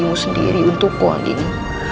mengorbankan dirimu sendiri untukku angini